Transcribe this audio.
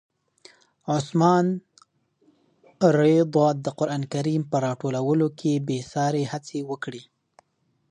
عثمان رض د قرآن کریم په راټولولو کې بې ساري هڅې وکړې.